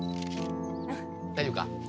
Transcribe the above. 大丈夫か？